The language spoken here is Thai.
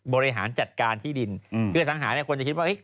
บริหารจัดการที่ดิ้นคือสังหาละก็คิดว่า